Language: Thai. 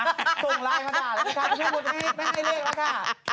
ส่งไลน์มาก่อนนะคะคุณแม่มดจะไม่ให้เลขมาค่ะ